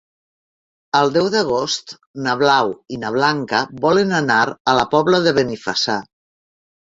El deu d'agost na Blau i na Blanca volen anar a la Pobla de Benifassà.